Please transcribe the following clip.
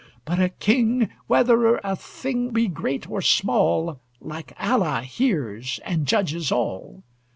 but a king, Whether a thing be great or small, Like Allah, hears and judges all.